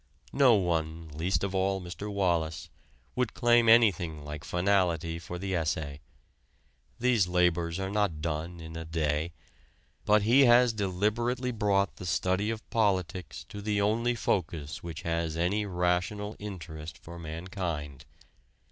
No one, least of all Mr. Wallas, would claim anything like finality for the essay. These labors are not done in a day. But he has deliberately brought the study of politics to the only focus which has any rational interest for mankind.